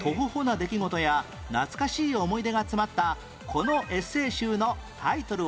出来事や懐かしい思い出が詰まったこのエッセイ集のタイトルは？